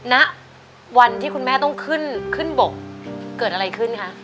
ณวันที่คุณแม่ต้องขึ้นขึ้นบกเกิดอะไรขึ้นคะ